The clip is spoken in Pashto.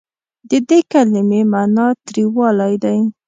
د دې کلمې معني تریوالی دی.